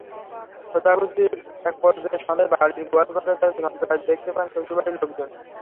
খোঁজাখুঁজির একপর্যায়ে সন্ধ্যায় বাড়ির গোয়ালঘরে তাঁর ঝুলন্ত লাশ দেখতে পান শ্বশুরবাড়ির লোকজন।